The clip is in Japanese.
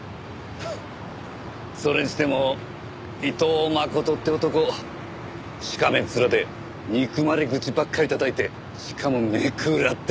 それにしても伊藤真琴って男しかめっ面で憎まれ口ばっかりたたいてしかもネクラって。